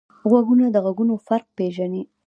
غوږونه د غږونو فرق پېژني